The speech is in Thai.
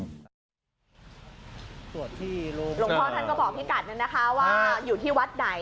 สวดที่โรงพอร์ท่านก็บอกพี่กัดนะคะว่าอยู่ที่วัดไหน